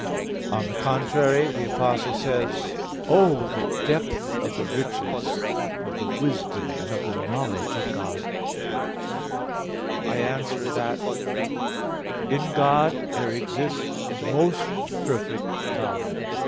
On the contrary, The Apostle says, "O the depth of the riches of the wisdom and of the knowledge of God" (Rom. 11:33). I answer that, In God there exists the most perfect knowledge.